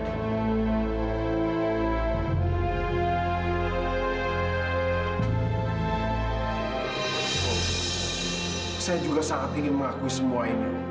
saya juga sangat ingin mengakui semua ini